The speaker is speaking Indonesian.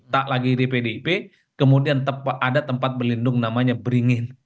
tak lagi di pdip kemudian ada tempat berlindung namanya beringin